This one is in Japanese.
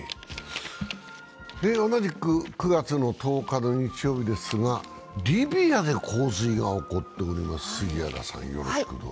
同じく９月の１０日の日曜日ですがリビアで洪水が起こっております。